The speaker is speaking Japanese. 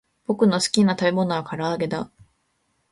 ぼくのすきなたべものはからあげだ